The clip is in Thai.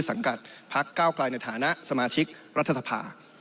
สังกัดพักเก้าไกลในฐานะสมาชิกรัฐสภา